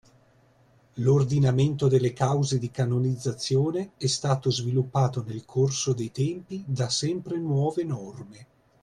L'Ordinamento delle cause di canonizzazione è stato sviluppato nel corso dei tempi da sempre nuove norme